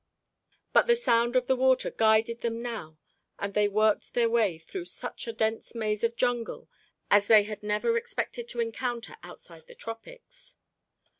But the sound of the water guided them now and they worked their way through such a dense maze of jungle as they had never expected to encounter outside the tropics.